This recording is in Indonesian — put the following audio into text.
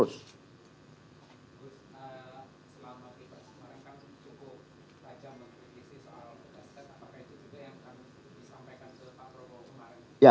yang disampaikan selama lamanya